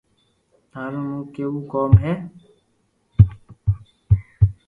ٿارو مون ڪيوُ ڪوم ھي